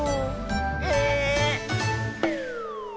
え⁉